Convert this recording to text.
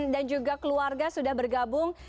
dan juga keluarga sudah bergabung